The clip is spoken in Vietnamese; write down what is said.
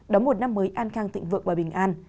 đóng một năm mới an khang thịnh vượng và bình an